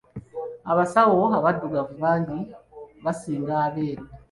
Abasawo abaddugavu bangi basinga abeeru.